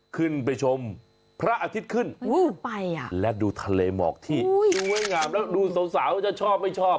ขึ้นไปชมพระอาทิตย์ขึ้นและดูทะเลหมอกที่สวยงามแล้วดูสาวจะชอบไม่ชอบ